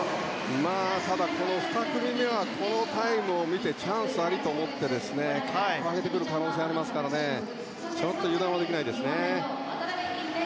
ただ、２組目はこのタイムを見てチャンスありと思って、タイムを上げてくる可能性ありますからちょっと油断はできないですね。